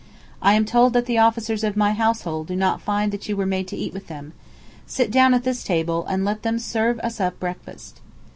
"I am told that the officers of my household do not find that you were made to eat with them. Sit down at this table, and let them serve us up breakfast."